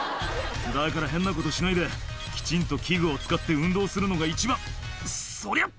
「だから変なことしないできちんと器具を使って運動するのが一番そりゃ！」